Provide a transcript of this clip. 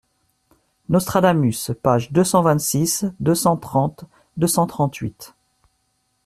Nostradamus, pages deux cent vingt-six, deux cent trente, deux cent trente-huit.